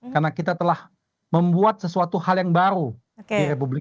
karena kita telah membuat sesuatu hal yang baru di republik